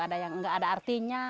ada yang nggak ada artinya